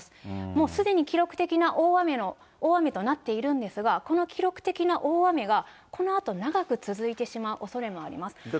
もうすでに記録的な大雨となっているんですが、この記録的な大雨が、このあと長く続いてしまうおそれもあります。